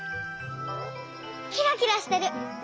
キラキラしてる。